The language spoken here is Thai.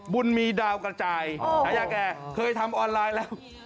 บุญมีดาวกระจายฉายาแก่เคยทำออนไลน์แล้ว